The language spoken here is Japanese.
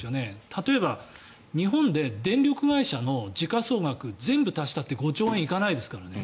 例えば、日本で電力会社の時価総額全部足したって５兆円いかないですからね。